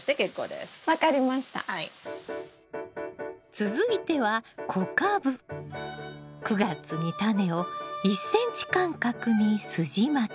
続いては９月にタネを１ｃｍ間隔にすじまき。